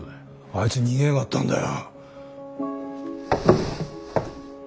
あいつ逃げやがったんだよ。